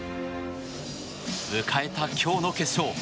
迎えた今日の決勝。